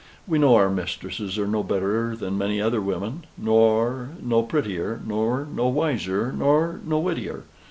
We know our mistresses are no better than many other women, nor no prettier, nor no wiser, nor no wittier.